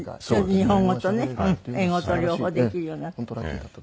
日本語とね英語と両方できるようになった。